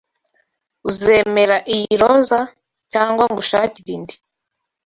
Uzemera iyi roza? Cyangwa ngushakire indi